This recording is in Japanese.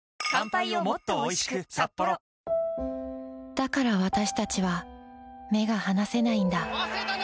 だからわたしたちは目が離せないんだ